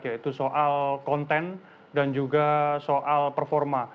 yaitu soal konten dan juga soal performa